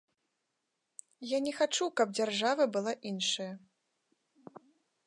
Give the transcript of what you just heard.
Я не хачу, каб дзяржава была іншая.